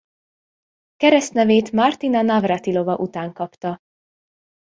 Keresztnevét Martina Navratilova után kapta.